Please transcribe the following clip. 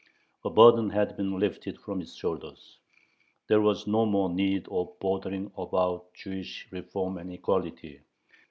A burden had been lifted from its shoulders. There was no more need of bothering about "Jewish reform" and "equality."